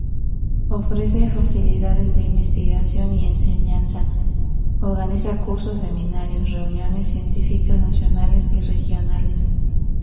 Ofrece facilidades de investigación y enseñanza, organiza cursos, seminarios, reuniones científicas nacionales y regionales